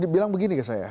bilang begini ke saya